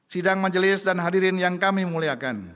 sidang majelis dan hadirin yang kami muliakan